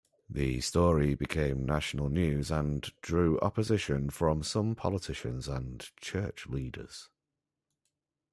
The story became national news and drew opposition from some politicians and church leaders.